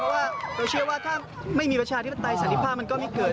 เพราะว่าเราเชื่อว่าถ้าไม่มีประชาธิปไตยสันติภาพมันก็ไม่เกิด